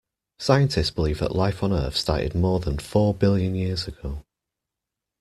Scientists believe that life on Earth started more than four billion years ago